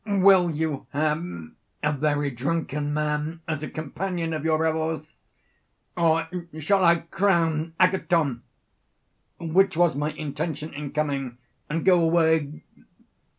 'Will you have a very drunken man as a companion of your revels? Or shall I crown Agathon, which was my intention in coming, and go away?